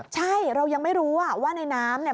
ใช่เรายังไม่รู้ว่าในน้ำเนี่ย